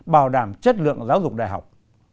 bảo đảm chất lượng giáo dục đại học